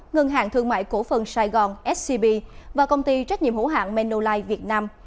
ngân hàng thương mại cổ phần sài gòn scb và công ty trách nhiệm hữu hạng manolife việt nam